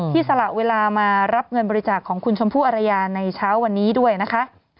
สละเวลามารับเงินบริจาคของคุณชมพู่อรยาในเช้าวันนี้ด้วยนะคะ